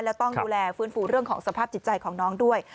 และต้องดูแลฟื้นฟูเรื่องของสภาพจิตใจของน้องด้วย